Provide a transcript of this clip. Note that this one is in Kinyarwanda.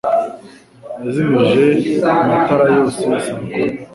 Yazimije amatara yose saa kumi.